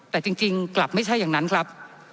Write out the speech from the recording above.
แต่จริงกลับไม่ใช่อย่างนั้นครับ